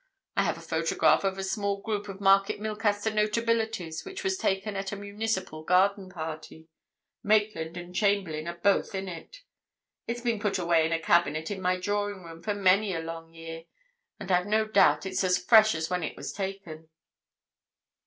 I have a photograph of a small group of Market Milcaster notabilities which was taken at a municipal garden party; Maitland and Chamberlayne are both in it. It's been put away in a cabinet in my drawing room for many a long year, and I've no doubt it's as fresh as when it was taken."